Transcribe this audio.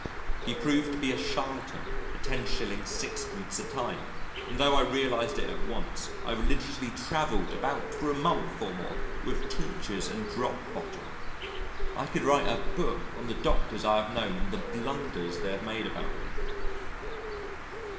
He proved to be a charlatan at 10s. 6d. a time, and tho' I realised it at once, I religiously travelled about for a month or more with tinctures and drop bottle. I could write a book on the Doctors I have known and the blunders they have made about me....